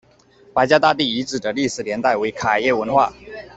白家大地遗址的历史年代为卡约文化。